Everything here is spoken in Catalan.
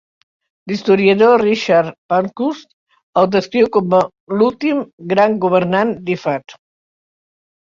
L'historiador Richard Pankhurst el descriu com l'últim gran governant d'Ifat.